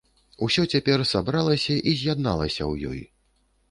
Усё цяпер сабралася і з'ядналася ў ёй.